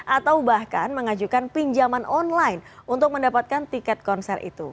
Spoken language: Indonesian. atau bahkan mengajukan pinjaman online untuk mendapatkan tiket konser itu